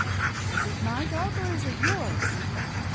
' Is it my dog or IB it yours?